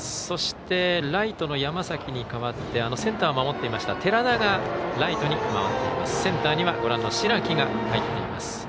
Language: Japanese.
そして、ライトの山崎に代わってセンターを守っていました寺田がライトに回っています。